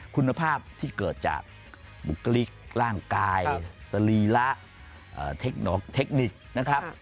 คุณภาพที่เกิดจากบุคลิกร่างกายสรีระเทคนิคเทคนิคนะครับ